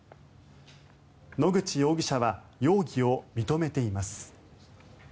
野口容疑者は容疑を認めています。